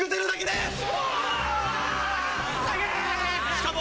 しかも。